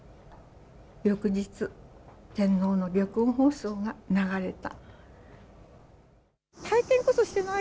翌日、天皇の玉音放送が流れた。